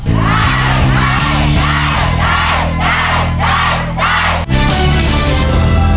โปรดติดตามตอนต่อไป